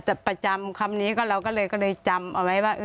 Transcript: แต่ประจำคำนี้ก็เราก็เลยจำเอาไว้ว่า